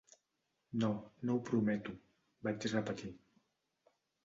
"No, no ho prometo", vaig repetir.